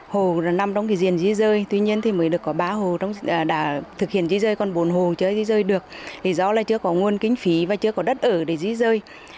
xóm sơn tiến có bảy hồ năm trong khi di rời tuy nhiên mới có ba hồ đã thực hiện di rời còn bốn hồ chưa di rời được do chưa có nguồn kinh phí và chưa có đất ở để di rời